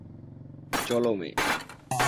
চলো, মেয়ে।